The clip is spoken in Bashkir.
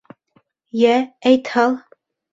Йә, әйт һал.